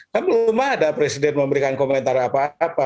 kan belum ada presiden memberikan komentar apa apa